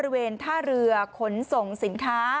หาเรือขนส่งสินค้า